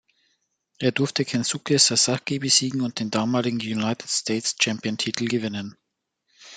Er durfte "Kensuke Sasaki" besiegen und den damaligen "United States Champion Titel" gewinnen.